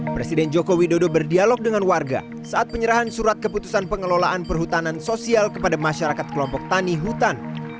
presiden joko widodo berdialog dengan warga saat penyerahan surat keputusan pengelolaan perhutanan sosial kepada masyarakat kelompok tani hutan